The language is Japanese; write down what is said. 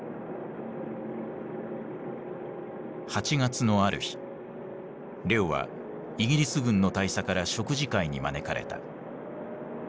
８月のある日レオはイギリス軍の大佐から食事会に招かれた。